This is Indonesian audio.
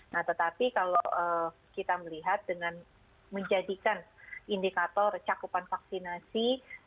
nah tetapi kalau kita melihat dengan menjadikan indikator cakupan vaksinasi